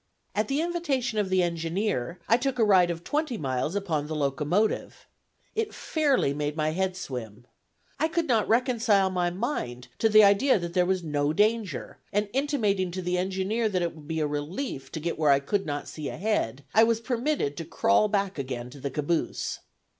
At the invitation of the engineer, I took a ride of twenty miles upon the locomotive. It fairly made my head swim. I could not reconcile my mind to the idea that there was no danger; and intimating to the engineer that it would be a relief to get where I could not see ahead, I was permitted to crawl back again to the caboose.